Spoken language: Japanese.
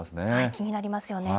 気になりますよね。